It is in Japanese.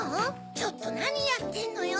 ちょっとなにやってんのよ！